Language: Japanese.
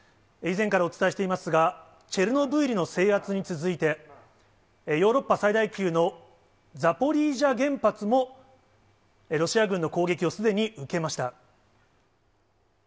以前からお伝えしていますが、チェルノブイリの制圧に続いて、ヨーロッパ最大級のザポリージャ原発も、ロシア軍の攻撃をすでに受けました。